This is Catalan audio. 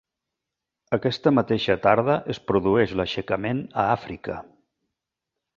Aquesta mateixa tarda es produeix l'aixecament a Àfrica.